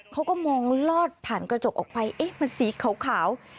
เขาก็มองลอดผ่านกระจกออกไปเอ๊ะมันสีขาว